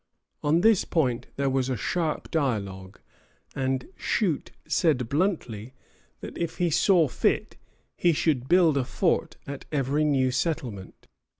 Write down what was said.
On this point there was a sharp dialogue, and Shute said bluntly that if he saw fit, he should build a fort at every new settlement.